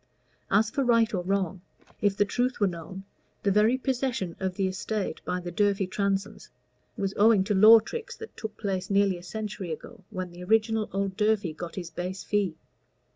As for right or wrong, if the truth were known, the very possession of the estate by the Durfey Transomes was owing to law tricks that took place nearly a century ago, when the original old Durfey got his base fee.